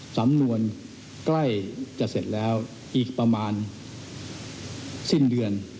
สำนวนใกล้จะเสร็จแล้วอีกประมาณสิ้นเดือน